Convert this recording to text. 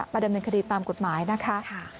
ดำเนินคดีตามกฎหมายนะคะ